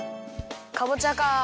かぼちゃかあ。